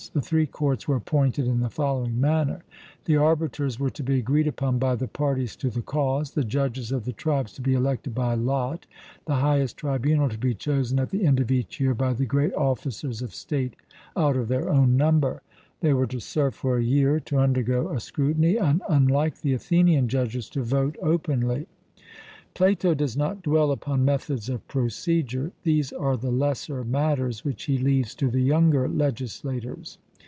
The three courts were appointed in the following manner: the arbiters were to be agreed upon by the parties to the cause; the judges of the tribes to be elected by lot; the highest tribunal to be chosen at the end of each year by the great officers of state out of their own number they were to serve for a year, to undergo a scrutiny, and, unlike the Athenian judges, to vote openly. Plato does not dwell upon methods of procedure: these are the lesser matters which he leaves to the younger legislators.